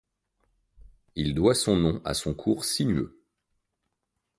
Il doit son nom à son cours sinueux.